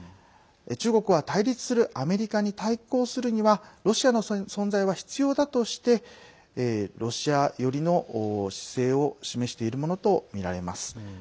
中国は対立するアメリカに対抗するにはロシアの存在は必要だとしてロシア寄りの姿勢を示しているものとみられます。